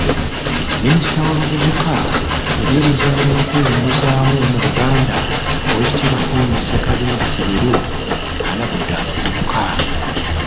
Minisita w'abavubuka, ebyemizannyo n'okwewumumuza mu Buganda, Owekitiibwa Henry Moses Sekabembe kiberu, alabudde abavubuka